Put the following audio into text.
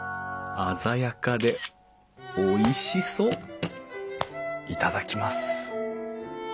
鮮やかでおいしそう頂きます。